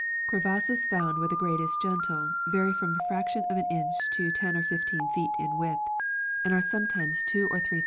Crevasses found where the grade is gentle vary from a fraction of an inch to 10 or 15 feet in width, and are sometimes two or three thou 25— Nat.